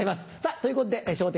ということで『笑点』